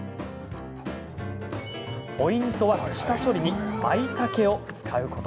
ポイントは下処理にまいたけを使うこと。